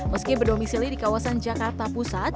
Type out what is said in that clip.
meski berdomisili di kawasan jakarta pusat